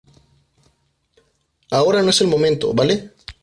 ahora no es el momento, ¿ vale?